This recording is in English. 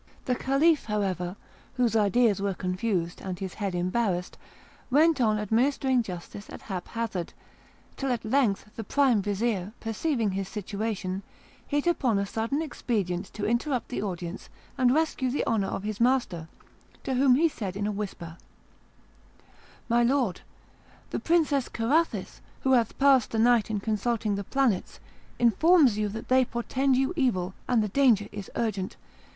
The Caliph, however, whose ideas were confused and his head embarrassed, went on administering justice at haphazard, till at length the prime vizir, perceiving his situation, hit upon a sudden expedient to interrupt the audience and rescue the honour of his master, to whom he said in a whisper: "My Lord, the Princess Carathis, who hath passed the night in consulting the planets, informs you that they portend you evil, and the danger is urgent.